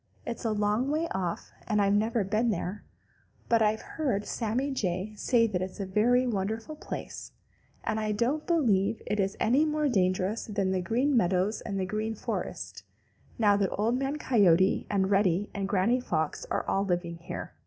It's a long way off and I've never been there, but I've heard Sammy Jay say that it's a very wonderful place, and I don't believe it is any more dangerous than the Green Meadows and the Green Forest, now that Old Man Coyote and Reddy and Granny Fox are all living here.